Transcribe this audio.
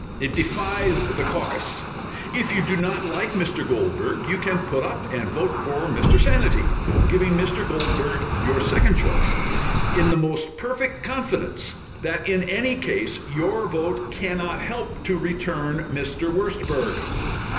It defies the caucus. If you do not like Mr. Goldbug you can put up and vote for Mr. Sanity, giving Mr. Goldbug your second choice, in the most perfect confidence that in any case your vote cannot help to return Mr. Wurstberg.